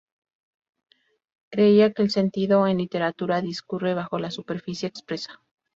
Creía que el sentido en literatura discurre bajo la superficie expresa.